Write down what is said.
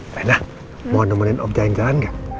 rena mau nemuin om jalan jalan gak